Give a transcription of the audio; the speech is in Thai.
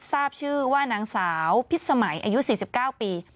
ทราบชื่อว่านางสาวพิษสมัยอายุ๔๙ปี